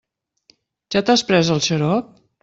Ja t'has pres el xarop?